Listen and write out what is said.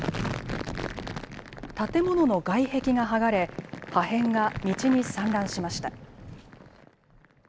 建物の外壁が剥がれ、破片が道に散乱しました。